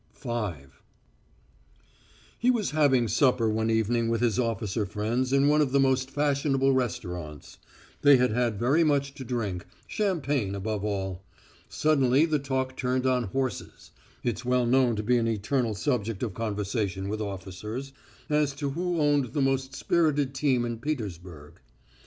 V He was having supper one evening with his officer friends in one of the most fashionable restaurants. They had had very much to drink, champagne above all. Suddenly the talk turned on horses it's well known to be an eternal subject of conversation with officers as to who owned the most spirited team in Petersburg.